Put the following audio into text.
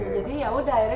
jadi yaudah akhirnya